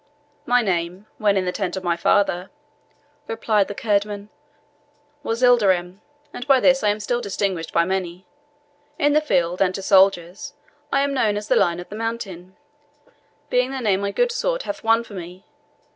"My name, when in the tent of my father," replied the Kurdman, "was Ilderim, and by this I am still distinguished by many. In the field, and to soldiers, I am known as the Lion of the Mountain, being the name my good sword hath won for me.